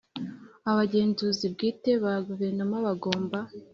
Abagenzuzi bwite ba Guverinoma bagomba